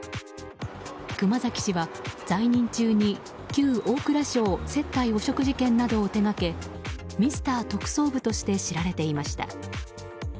熊崎氏は、在任中に旧大蔵省接待汚職事件などを手掛けミスター特捜部として知られていました。